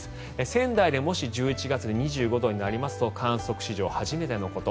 仙台で、もし１１月で２５度台になりますと観測史上初めてのこと。